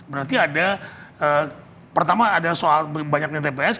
berarti ada pertama ada soal banyaknya tps